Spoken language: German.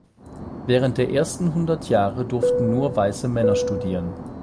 Während der ersten hundert Jahre durften nur weiße Männer studieren.